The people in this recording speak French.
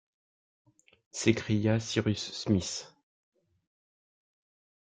s’écria Cyrus Smith.